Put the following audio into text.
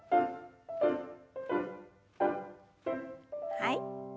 はい。